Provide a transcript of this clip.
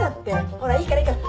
ほらいいからいいから。